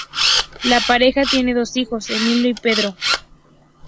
La pareja tiene dos hijos: Emilio y Pedro.